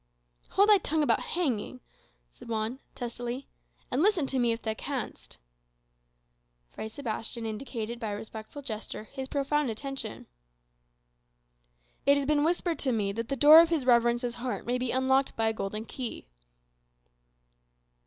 '" "Hold thy tongue about hanging," said Juan, testily, "and listen to me, if thou canst." Fray Sebastian indicated, by a respectful gesture, his profound attention. "It has been whispered to me that the door of his reverence's heart may be unlocked by a golden key."